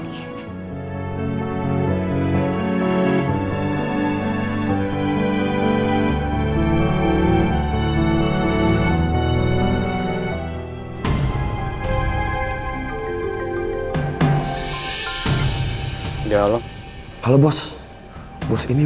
ika dia melanggar konsul saya